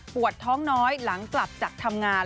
ปวดท้องน้อยหลังกลับจากทำงาน